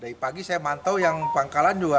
dari pagi saya mantau yang pangkalan dua